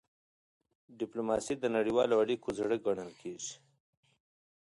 ډيپلوماسي د نړیوالو اړیکو زړه ګڼل کېږي.